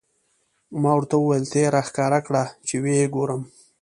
ما ورته وویل: ته یې را ښکاره کړه، چې و یې ګورم.